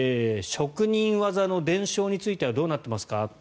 職人技の伝承についてはどうなっていますか。